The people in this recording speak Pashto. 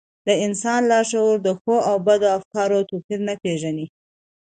د انسان لاشعور د ښو او بدو افکارو توپير نه پېژني.